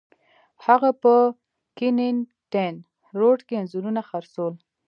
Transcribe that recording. هغه په کینینګټن روډ کې انځورونه خرڅول.